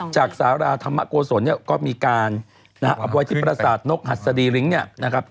จากสาราธรรมโกศลก็มีการอับไว้ที่ปราศาสตร์นกหัสดีลิ้งนะครับ